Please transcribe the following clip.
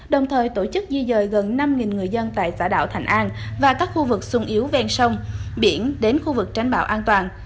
đồng thời tổ chức di dời gần năm người dân tại xã đảo thành an và các khu vực sung yếu ven sông biển đến khu vực tránh bão an toàn